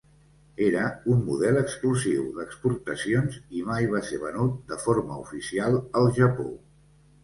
Era un model exclusiu d'exportacions i mai va ser venut de forma oficial al Japó.